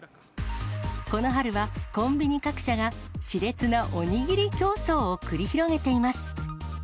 この春は、コンビニ各社がしれつなおにぎり競争を繰り広げています。